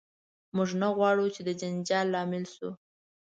موږ نه غواړو چې د جنجال لامل شو.